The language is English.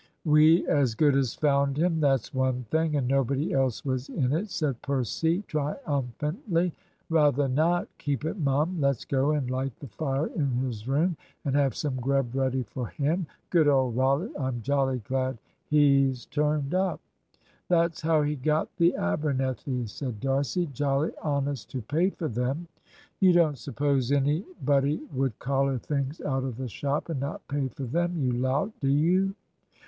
"We as good as found him, that's one thing, and nobody else was in it," said Percy triumphantly. "Rather not. Keep it mum. Let's go and light the fire in his room, and have some grub ready for him. Good old Rollitt, I'm jolly glad he's turned up!" "That's how he got the Abernethys," said D'Arcy. "Jolly honest to pay for them." "You don't suppose anybody would collar things out of the shop and not pay for them, you lout, do you?"